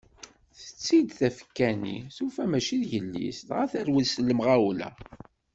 Tetti-d tafekka-nni, tufa mači d yelli-s dɣa terwel s lemɣawla.